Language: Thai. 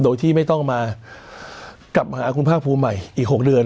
โดยที่ไม่ต้องมากลับมาหาคุณภาคภูมิใหม่อีก๖เดือน